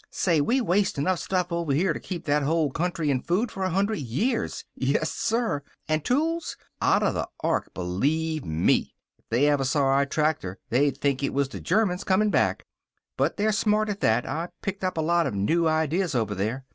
Say, we waste enough stuff over here to keep that whole country in food for a hundred years. Yessir. And tools! Outta the ark, believe me. If they ever saw our tractor, they'd think it was the Germans comin' back. But they're smart at that. I picked up a lot of new ideas over there.